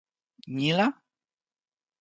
ni la?